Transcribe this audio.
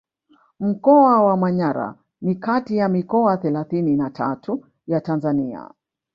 Mkoa wa Manyara ni kati ya mikoa thelathini na tatu ya Tanzania